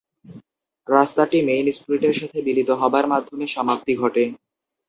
রাস্তাটি মেইন স্ট্রিটের সাথে মিলিত হবার মাধ্যমে সমাপ্তি ঘটে।